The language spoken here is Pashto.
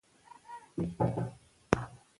تعلیم لرونکې میندې د کور چاپېریال روغ ساتي.